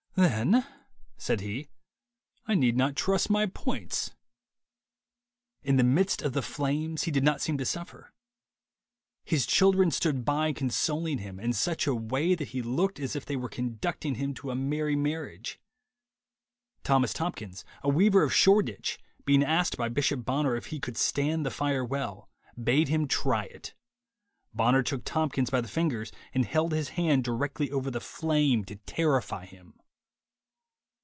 'Then,' said he, 'I need not truss my points.' In the midst of the flames he did not seem to suffer. 'His children stood by consoling him, in such a way that he looked as if they were conducting him to a merry marriage.' ... Thomas Tomkins, a weaver of Shoreditch, being asked by Bishop Bonner if he could stand the fire well, bade him try it. 'Bonner took Tomkins by the fingers, and held his hand directly over the flame,' to terrify him.